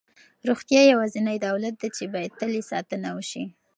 روغتیا یوازینی دولت دی چې باید تل یې ساتنه وشي.